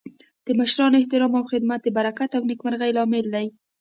د مشرانو احترام او خدمت د برکت او نیکمرغۍ لامل دی.